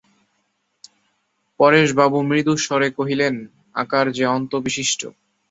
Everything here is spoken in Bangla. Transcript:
পরেশবাবু মৃদুস্বরে কহিলেন, আকার যে অন্তবিশিষ্ট।